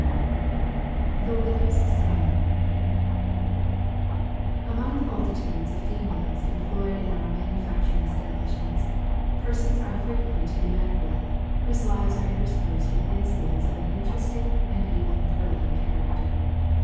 THE WIDOW'S SON. Among the multitudes of females employed in our manufacturing establishments, persons are frequently to be met with, whose lives are interspersed with incidents of an interesting and even thrilling character.